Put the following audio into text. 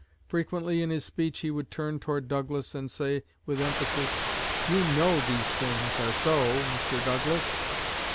Frequently in his speech he would turn toward Douglas, and say with emphasis, 'You know these things are so, Mr. Douglas!'